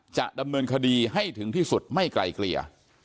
จะดำเนินคดีให้ถึงที่สุดไม่ไกลเกลี่ย